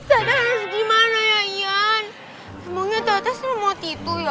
tata harus gimana ya iyan emangnya tata selamat itu ya